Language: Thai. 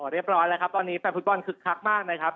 เรียบร้อยแล้วครับตอนนี้แฟนฟุตบอลคึกคักมากนะครับ